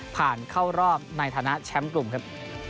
เข้ารอบในฐานะแชมป์กลุ่มครับ